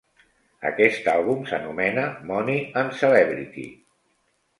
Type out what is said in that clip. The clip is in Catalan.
Aquest àlbum s'anomena "Money and Celebrity".